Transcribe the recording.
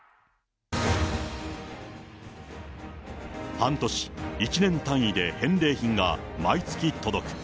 半年、１年単位で返礼品が毎月届く。